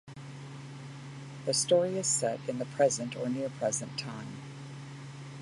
The story is set in the present or near-present time.